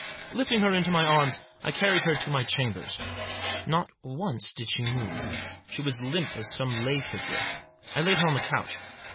Lifting her in my arms, I carried her to my chambers. Not once did she move. She was limp as some lay figure. I laid her on the couch.